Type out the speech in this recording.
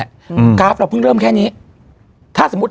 เราให้ภาษาเราเริ่มแค่นี้ถ้าถ้าสมมุติ